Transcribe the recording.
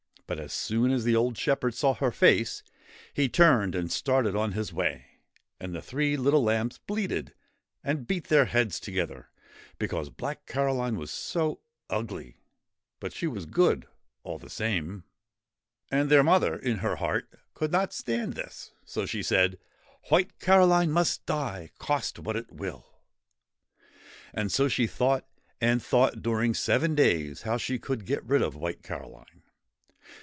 But as soon as the old shepherd saw her face, he turned and started on his way, and the three little lambs bleated and beat their heads together, because Black Caroline was so ugly ; but she was good all the same 1 15 WHITE CAROLINE AND BLACK CAROLINE And their mother, in her heart, could not stand this, so she said :' White Caroline must die, cost what it will! ' And so she thought and thought during seven days how she could get rid of White Caroline.